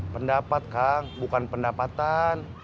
pendapat kang bukan pendapatan